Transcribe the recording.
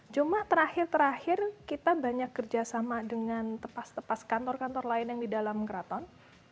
cuma terakhir terakhir kita banyak kerjasama dengan tepas tepas kantor kantor lain yang di dalam keraton